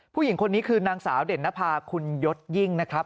ผู้หญิงคนนี้คือนางสาวเด่นนภาคุณยศยิ่งนะครับ